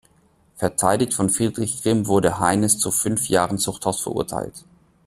Verteidigt von Friedrich Grimm, wurde Heines nun zu fünf Jahren Zuchthaus verurteilt.